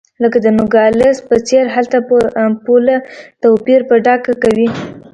لکه د نوګالس په څېر هلته پوله توپیر په ډاګه کوي.